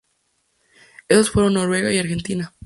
Estos fueron Noruega y Argentina.